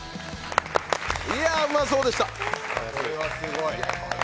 いやあ、うまそうでした！